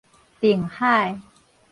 定海